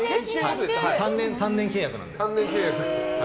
単年契約なので。